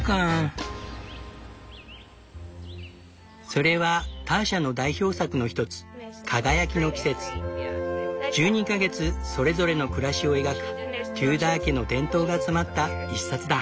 それはターシャの代表作の一つ１２か月それぞれの暮らしを描くテューダー家の伝統が詰まった一冊だ。